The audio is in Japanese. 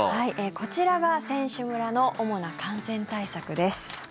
こちらが選手村の主な感染対策です。